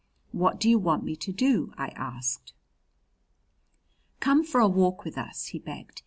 "What do you want me to do?" I asked. "Come for a walk with us," he begged.